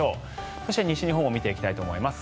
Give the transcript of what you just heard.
そして、西日本も見ていきたいと思います。